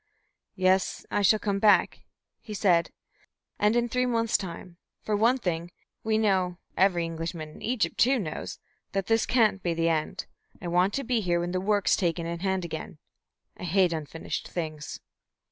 "Yes, I shall come back," he said, "and in three months' time. For one thing, we know every Englishman in Egypt, too, knows that this can't be the end. I want to be here when the work's taken in hand again. I hate unfinished things."